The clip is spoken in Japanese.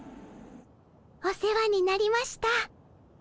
お世話になりました。